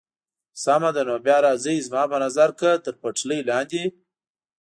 سمه ده، نو بیا راځئ، زما په نظر که تر پټلۍ لاندې.